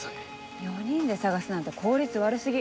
４人で捜すなんて効率悪過ぎ。